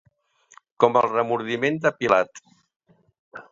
Com el remordiment de Pilat.